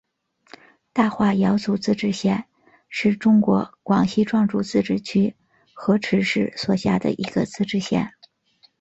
大化瑶族自治县是中国广西壮族自治区河池市所辖的一个自治县。